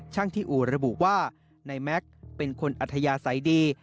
ช่างที่อู่ระบุว่านายแม็กซ์เป็นคนอัธยาศัยดี